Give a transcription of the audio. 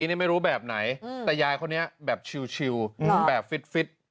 นี่ไม่รู้แบบไหนแต่ยายคนนี้แบบชิลแบบฟิต